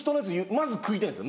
まず食いたいんですよ